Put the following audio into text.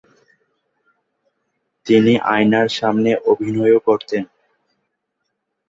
তিনি আয়নার সামনে অভিনয়ও করতেন।